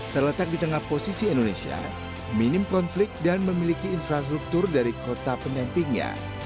terletak di tengah posisi indonesia minim konflik dan memiliki infrastruktur dari kota pendampingnya